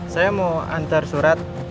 saya mau antar surat